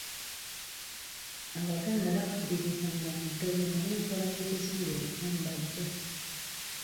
Abaganda bakkiririzanga mu ddogo naye enkola y'ekizungu erisambajja.